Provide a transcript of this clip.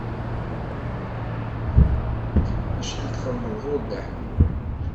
Acḥal txedmeḍ ɣur Dda Ḥemmu?